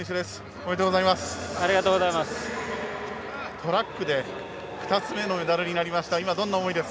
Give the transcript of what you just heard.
おめでとうございます。